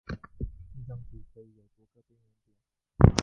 一张图可以有多个边缘点。